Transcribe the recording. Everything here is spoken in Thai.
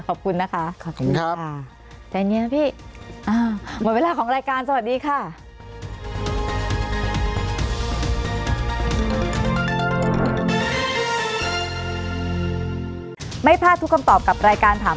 ขอบคุณนะคะขอบคุณค่ะขอบคุณครับ